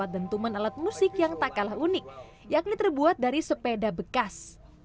dan teman alat musik yang tak kalah unik yakni terbuat dari sepeda bekas